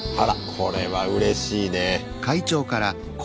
これはうれしいね。